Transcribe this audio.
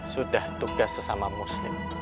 sudah tugas sesama muslim